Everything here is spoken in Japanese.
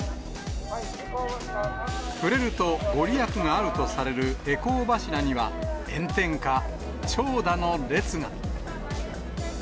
触れると御利益があるとされる回向柱には、炎天下、長蛇の列が。